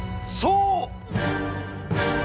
そう！